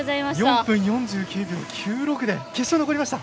４分４９秒９６で決勝、残りました。